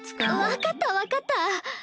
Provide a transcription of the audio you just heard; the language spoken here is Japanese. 分かった分かった。